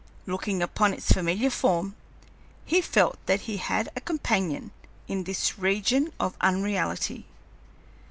Looking upon its familiar form, he felt that he had a companion in this region of unreality.